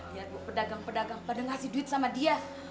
liat bu pedagang pedagang pada ngasih duit sama dia